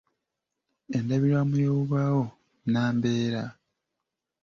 Endabirwamu y’obubaawo nnambeera